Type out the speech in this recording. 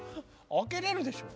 開けれるでしょ。